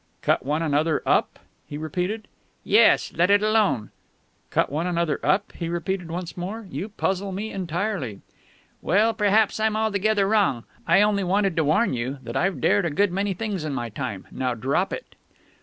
"'Cut one another up?'" he repeated. "Yes. Let it alone." "'Cut one another up?'" he repeated once more. "You puzzle me entirely." "Well, perhaps I'm altogether wrong. I only wanted to warn you that I've dared a good many things in my time. Now drop it."